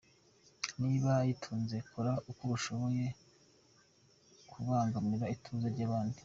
Niba uyitunze, kora uko ushoboye ye kubangamira ituze ry’abandi.